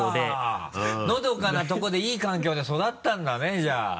のどかなとこでいい環境で育ったんだねじゃあ。